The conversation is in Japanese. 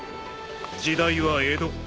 時代は江戸。